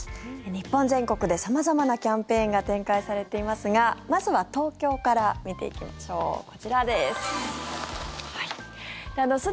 日本全国で様々なキャンペーンが展開されていますがまずは東京から見ていきましょうこちらです。